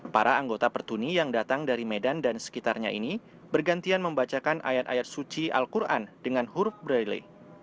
para anggota pertuni yang datang dari medan dan sekitarnya ini bergantian membacakan ayat ayat suci al quran dengan huruf braille